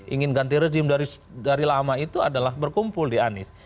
ingin ganti rezim dari lama itu adalah berkumpul di anies